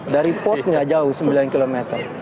dari port nggak jauh sembilan km